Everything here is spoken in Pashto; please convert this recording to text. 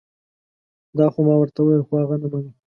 دا خو ما ورته وویل خو هغه نه منل